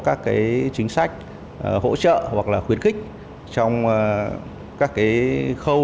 các cái chính sách hỗ trợ hoặc là khuyến khích trong các cái khâu